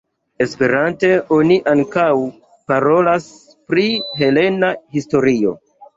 Esperante oni ankaŭ parolas pri helena historio.